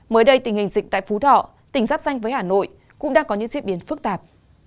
mới đây tình hình dịch tại phú thọ tỉnh giáp danh với hà nội cũng đang có những diễn biến phức tạp